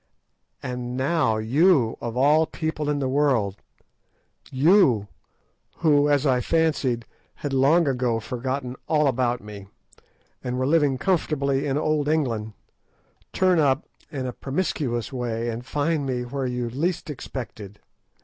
And now you, of all people in the world, you, who, as I fancied, had long ago forgotten all about me, and were living comfortably in old England, turn up in a promiscuous way and find me where you least expected.